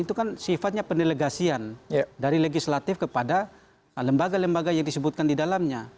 itu kan sifatnya pendelegasian dari legislatif kepada lembaga lembaga yang disebutkan di dalamnya